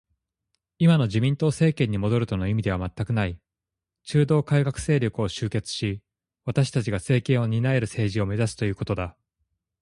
今の自民党政権に戻るとの意味では全くない。中道改革勢力を結集し、私たちが政権を担える政治を目指すということだ